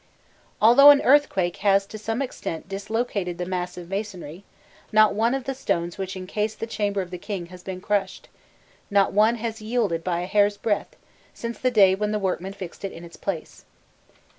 Although an earthquake has to some extent dislocated the mass of masonry, not one of the stones which encase the chamber of the king has been crushed, not one has yielded by a hair's breadth, since the day when the workmen fixed it in its place.